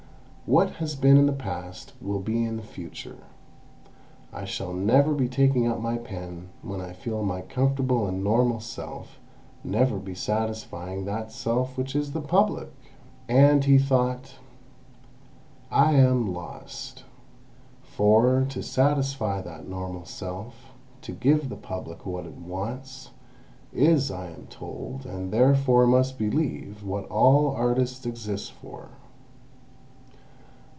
What has been in the past will be in the future: I shall never be taking up my pen when I feel my comfortable and normal self never be satisfying that self which is the Public!" And he thought: "I am lost. For, to satisfy that normal self, to give the Public what it wants, is, I am told, and therefore must believe, what all artists exist for.